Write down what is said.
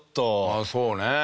ああそうね。